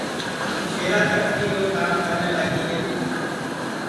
ہم شہرا تک بھی یو کام کرنے لاگی گے تیے